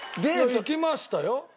行きましたよ。